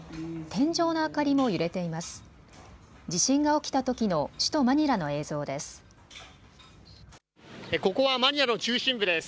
天井の明かりも揺れています。